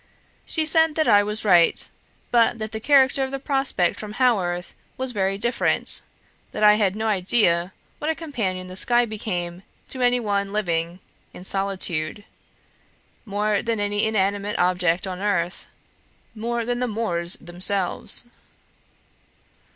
She said that I was right, but that the character of the prospect from Haworth was very different; that I had no idea what a companion the sky became to any one living in solitude, more than any inanimate object on earth, more than the moors themselves."